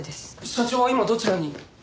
社長は今どちらに？